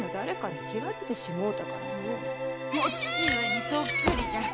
お父上にそっくりじゃ。